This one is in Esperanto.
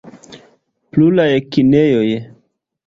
Pluraj kinejoj.